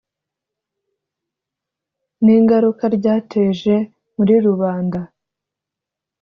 n’ingaruka ryateje muri rubanda